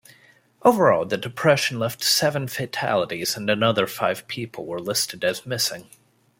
Overall, the depression left seven fatalities and another five people were listed as missing.